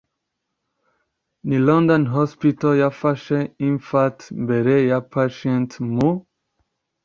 Ni London Hospital Yafashe Infant mbere Patient Mu